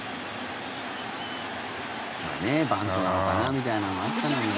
バントなのかなみたいなのもあったんだけどね。